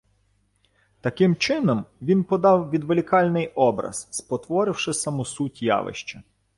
Таким чином він подав відволікальний образ, спотворивши саму суть явища